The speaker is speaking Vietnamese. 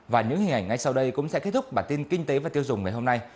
và những hình ảnh ngay sau đây cũng sẽ kết thúc bản tin kinh tế và tiêu dùng ngày hôm nay